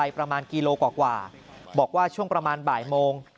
ประมาณกิโลกว่าบอกว่าช่วงประมาณบ่ายโมง